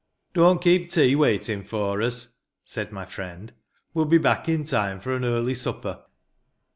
" Don't keep tea waiting for us," said my friend ;" we'll be back in time for an early supper."